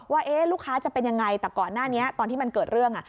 ว่าลูกค้าจะเป็นยังไงแต่ก่อนหน้านี้ตอนที่มันเกิดเรื่อง